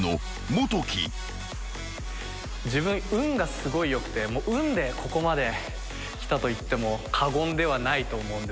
自分運がすごいよくて運でここまできたと言っても過言ではないと思うんですけど。